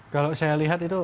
kalau saya lihat itu